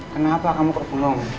kenapa kamu kegulung